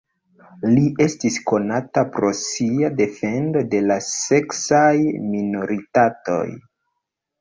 Li estas konata pro sia defendo de la seksaj minoritatoj.